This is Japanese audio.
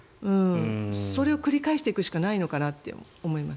それを繰り返していくしかないのかなと思います。